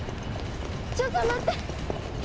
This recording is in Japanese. ちょっと待って！